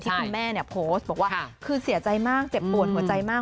คุณแม่เนี่ยโพสต์บอกว่าคือเสียใจมากเจ็บปวดหัวใจมาก